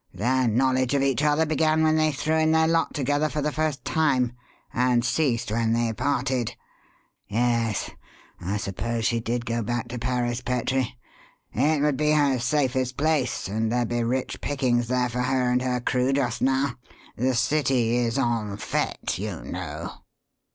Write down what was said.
Their knowledge of each other began when they threw in their lot together for the first time, and ceased when they parted. Yes, I suppose she did go back to Paris, Petrie it would be her safest place; and there'd be rich pickings there for her and her crew just now. The city is en fête, you know."